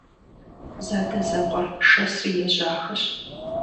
Задэзэкъуэр шэсри ежьахэщ.